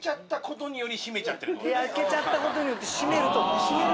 開けちゃった事によって閉めると。